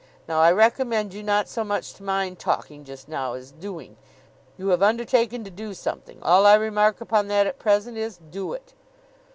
Now, I recommend you not so much to mind talking just now, as doing. You have undertaken to do something; all I remark upon that at present is, do it!